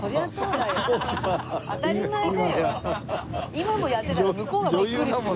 今もやってたら向こうがビックリするわ。